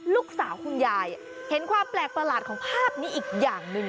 ลูกสาวคุณยายเห็นความแปลกประหลาดของภาพนี้อีกอย่างหนึ่ง